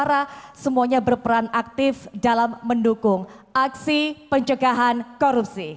karena semuanya berperan aktif dalam mendukung aksi pencegahan korupsi